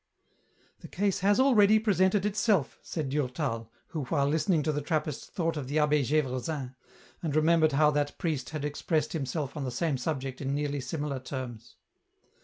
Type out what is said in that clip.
" The case has already presented itself," said Durtal, who while listening to the Trappist thought of the Abbe Gdvresin, and remembered how that priest had expressed himself on the same subject in nearly similar terms.